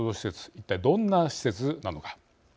一体、どんな施設なのか。